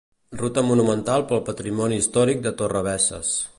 Ruta monumental pel patrimoni històric de Torrebesses.